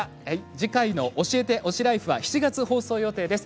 次回の「＃教えて！推しライフ」は７月放送予定です。